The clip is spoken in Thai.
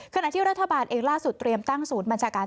ขณะที่รัฐบาลเองล่าสุดเตรียมตั้งศูนย์บัญชาการ